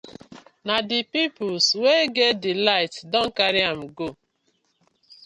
Na di pipus wey get di light don karry am go.